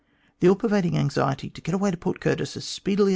The all pervading anxiety to get away to Port Curtis as speedily